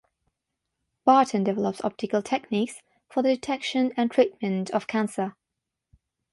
Barton develops optical techniques for the detection and treatment of cancer.